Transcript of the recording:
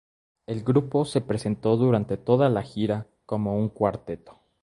El grupo se presentó durante toda la gira como un cuarteto.